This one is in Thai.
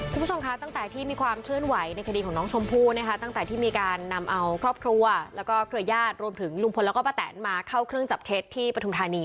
คุณผู้ชมคะตั้งแต่ที่มีความขึ้นไหวในคดีของน้องชมพู่ตั้งแต่นำเอาครอบครัวครับคลิยาศรวมรุงพลบตั๋นมาเข้าเครื่องจัดเทแท็ดที่ปฐุมธานี